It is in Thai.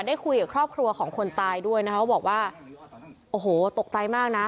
ได้คุยกับครอบครัวของคนตายด้วยนะคะเขาบอกว่าโอ้โหตกใจมากนะ